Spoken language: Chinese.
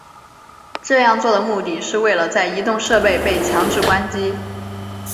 这样做的目的是为了在移动设备被强制关机。